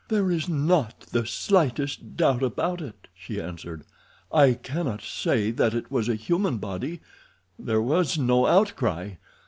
"There is not the slightest doubt about that," she answered. "I cannot say that it was a human body—there was no outcry.